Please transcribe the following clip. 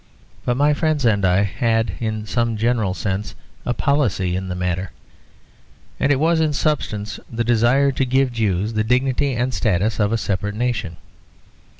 But my friends and I had in some general sense a policy in the matter; and it was in substance the desire to give Jews the dignity and status of a separate nation.